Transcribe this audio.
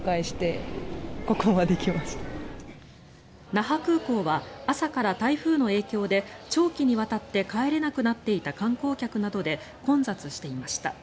那覇空港は朝から台風の影響で長期にわたって帰れなくなっていた観光客などで混雑していました。